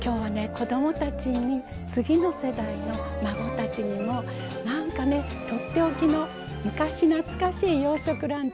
子どもたちに次の世代の孫たちにもなんかねとっておきの昔懐かしい洋食ランチ